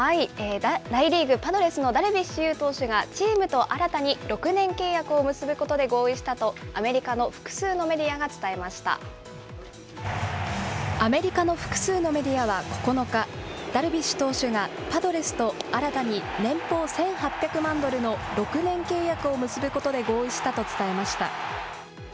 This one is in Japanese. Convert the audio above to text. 大リーグ・パドレスのダルビッシュ有投手が、チームと新たに６年契約を結ぶことで合意したと、アメリカの複数のメディアが伝えアメリカの複数のメディアは９日、ダルビッシュ投手がパドレスと新たに年俸１８００万ドルの６年契約を結ぶことで合意したと伝えました。